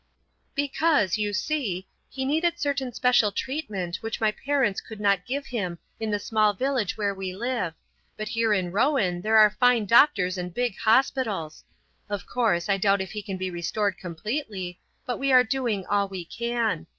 "Because, you see, he needed certain special treatment which my parents could not give him in the small village where we live; but here in Rouen there are fine doctors and big hospitals. Of course, I doubt if he can be restored completely, but we are doing all we can.